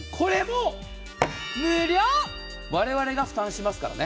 我々が負担しますからね。